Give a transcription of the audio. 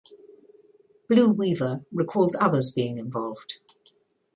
Blue Weaver recalls others being involved.